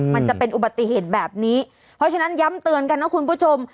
มันจะเป็นอุบัติเหตุแบบนี้เพราะฉะนั้นย้ำเตือนกันนะคุณผู้ชม